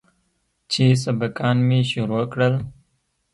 چې سبقان مې شروع کړل.